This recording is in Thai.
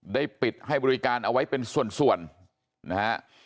ปิดให้บริการเอาไว้เป็นส่วนนะฮะ